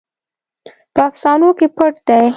په افسانو کې پټ دی.